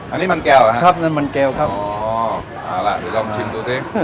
อันนี้มันแก้วเหรอครับนั่นมันแก้วครับอ๋อเอาล่ะเดี๋ยวลองชิมดูสิ